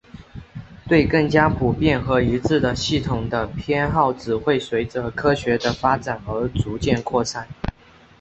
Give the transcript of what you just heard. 对更加普遍和一致的系统的偏好只会随着科学的发展而逐渐扩散。